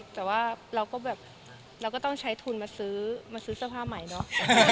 แต่ว่าเราก็แบบเราก็ต้องใช้ทุนมาซื้อมาซื้อเสื้อผ้าใหม่เนอะ